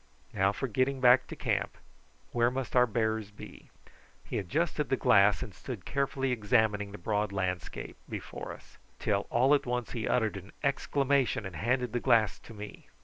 "Now for getting back to camp. Where must our bearers be?" He adjusted the glass and stood carefully examining the broad landscape before us, till all at once he uttered an exclamation, and handed the glass to me.